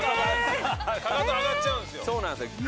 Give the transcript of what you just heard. かかと上がっちゃうんですよ